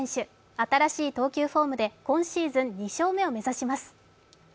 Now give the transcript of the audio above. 新しい投球フォームで今シーズン２勝目を目指します。